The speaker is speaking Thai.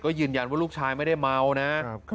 ยืนยันว่าลูกชายไม่ได้เมานะ